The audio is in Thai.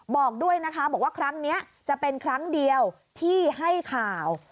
บอกด้วยนะคะบอกว่าครั้งนี้จะเป็นครั้งเดียวที่ให้ข่าว